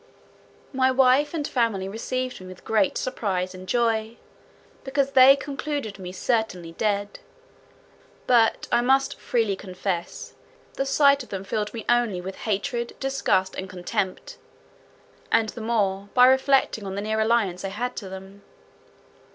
My wife and family received me with great surprise and joy, because they concluded me certainly dead; but I must freely confess the sight of them filled me only with hatred, disgust, and contempt; and the more, by reflecting on the near alliance I had to them.